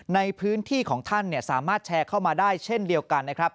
ในพื้นที่ของท่านสามารถแชร์เข้ามาได้เช่นเดียวกันนะครับ